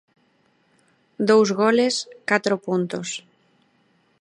Dous goles, catro puntos.